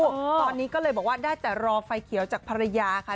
ตอนนี้ก็เลยบอกว่าได้แต่รอไฟเขียวจากภรรยาค่ะ